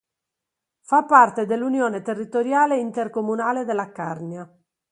Fa parte dell'Unione Territoriale Intercomunale della Carnia.